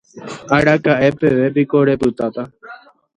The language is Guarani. Araka'e peve piko repytáta.